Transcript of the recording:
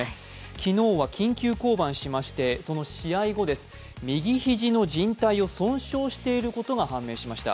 昨日は緊急降板しまして、その試合後です、右肘のじん帯を損傷していることが判明しました。